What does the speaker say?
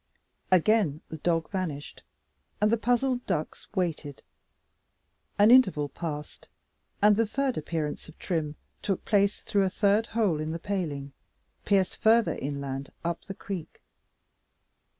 Again the dog vanished, and the puzzled ducks waited. An interval passed, and the third appearance of Trim took place, through a third hole in the paling, pierced further inland up the creek.